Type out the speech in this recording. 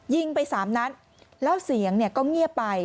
ยิงไปสามนัดแล้วเสียงก็เงียบไป